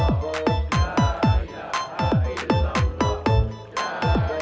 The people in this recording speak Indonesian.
untuk nelayanan industri setaju